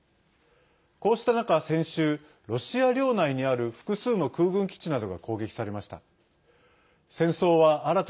こうした中、先週ロシア領内にある複数の空軍基地などが攻撃されました。